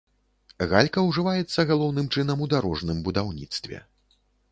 Галька ўжываецца галоўным чынам у дарожным будаўніцтве.